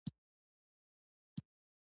• بادام د شکر کمولو کې مرسته کوي.